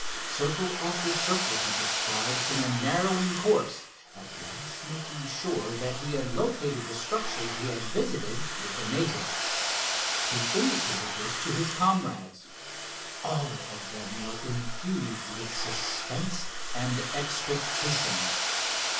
Circle after circle he described in a narrowing course, at last making sure that he had located the structure he had visited with the native. He indicated this to his comrades. All of them were infused with suspense and expectation.